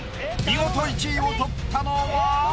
見事１位を取ったのは？